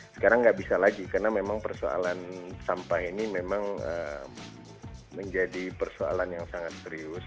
sekarang nggak bisa lagi karena memang persoalan sampah ini memang menjadi persoalan yang sangat serius